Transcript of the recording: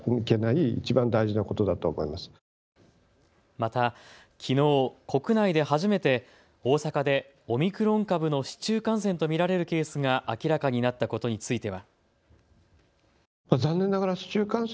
また、きのう、国内で初めて大阪でオミクロン株の市中感染と見られるケースが明らかになったことについては。